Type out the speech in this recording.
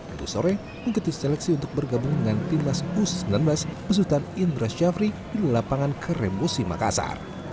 untuk sore mengikuti seleksi untuk bergabung dengan timnas u sembilan belas besutan indra syafri di lapangan karemosi makassar